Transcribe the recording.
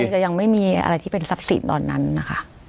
คงจะยังไม่มีอะไรที่เป็นซับสิทธิ์ตอนนั้นนะคะ